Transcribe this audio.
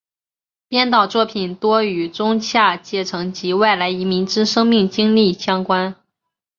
编导作品多与中下阶层及外来移民之生命经历相关。